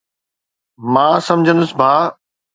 مان سمجهندس ڀاءُ.